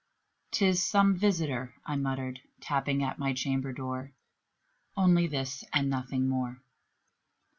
"'Tis some visitor," I muttered, "tapping at my chamber door Only this and nothing more."